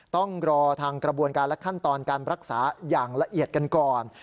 ต้องรอทางกระบวนการและขั้นตอนการรักษาอย่างละเอียดกันก่อน